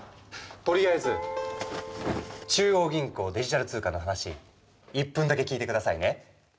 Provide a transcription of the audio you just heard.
とりあえず。中央銀行デジタル通貨の話１分だけ聞いてくださいね。